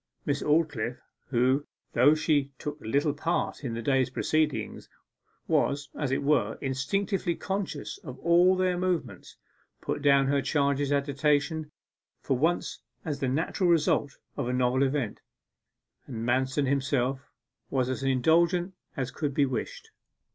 Miss Aldclyffe, who, though she took little part in the day's proceedings, was, as it were, instinctively conscious of all their movements, put down her charge's agitation for once as the natural result of the novel event, and Manston himself was as indulgent as could be wished.